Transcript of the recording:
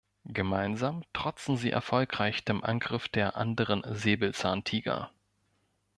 Gemeinsam trotzen sie erfolgreich dem Angriff der anderen Säbelzahntiger.